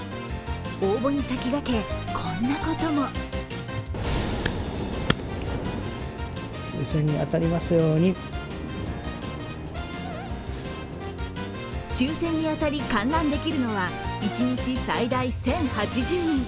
応募に先駆け、こんなことも抽選に当たり、観覧できるのは一日最大１０８０人。